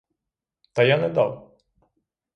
Та я не дав.